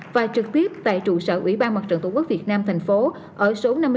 và trực tiếp tại trụ sở ủy ban mặt trận tổ quốc việt nam tp hcm ở số năm mươi năm mạc đĩnh chi phường đa cao quận một